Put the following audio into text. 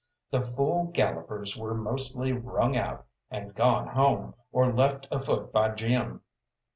The fool gallopers were mostly wrung out, and gone home, or left afoot by Jim.